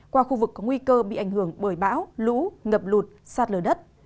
qua khu vực có nguy cơ bị ảnh hưởng bởi bão lũ ngập lụt sát lờ đất